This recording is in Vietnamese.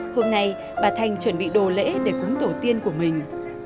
hôm nay bà thanh chuẩn bị đồ lễ để cúng tổ tiên của mình